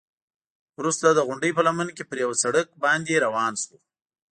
وروسته د غونډۍ په لمن کې پر یوه سړک باندې روان شوو.